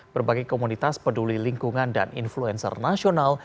berbagai komunitas peduli lingkungan dan influencer nasional